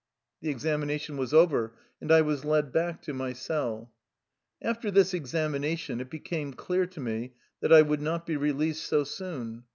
The examination was over, and I was led back to my cell. After this examination it became clear to me that I would not be released so soon.